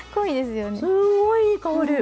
すごいいい香り！